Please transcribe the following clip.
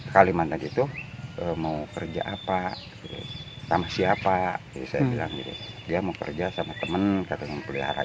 kalimantan itu mau kerja apa sama siapa saya bilang dia mau kerja sama temen katanya pelihara